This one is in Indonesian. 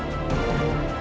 aku akan buktikan